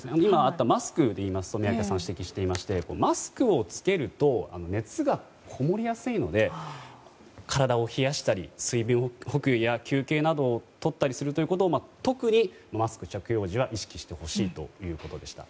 マスクでいいますと三宅先生も指摘していましてマスクを着けると熱がこもりやすいので体を冷やしたり、水分補給や休憩などをとったりすることを特にマスク着用時は、意識をしてほしいということでした。